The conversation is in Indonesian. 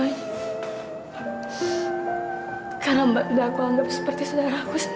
ini a'a yang salah